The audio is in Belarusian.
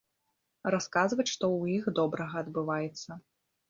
Расказваць, што ў іх добрага адбываецца.